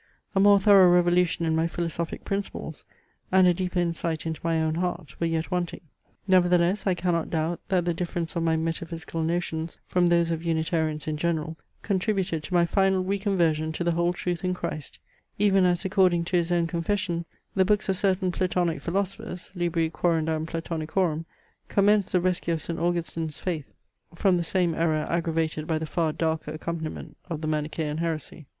A more thorough revolution in my philosophic principles, and a deeper insight into my own heart, were yet wanting. Nevertheless, I cannot doubt, that the difference of my metaphysical notions from those of Unitarians in general contributed to my final re conversion to the whole truth in Christ; even as according to his own confession the books of certain Platonic philosophers (libri quorundam Platonicorum) commenced the rescue of St. Augustine's faith from the same error aggravated by the far darker accompaniment of the Manichaean heresy.